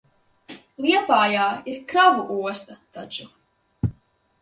Liepājā ir kravu osta taču.